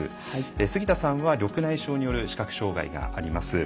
杉田さんは緑内障による視覚障害があります。